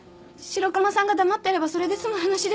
白熊さんが黙ってればそれで済む話ですよね？